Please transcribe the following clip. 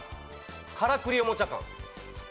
からくりおもちゃ館。